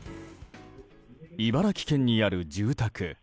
茨城県にある住宅。